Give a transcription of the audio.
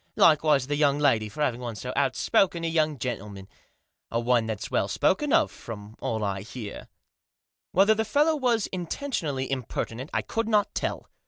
Likewise the young lady, for having won so outspoken a youngf, gentleman ; and one that's well spoken of, from all I beSr." Whether the fellow was intentionally impertinent I could not tell.